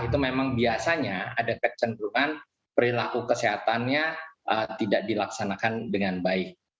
itu memang biasanya ada kecenderungan perilaku kesehatannya tidak dilaksanakan dengan baik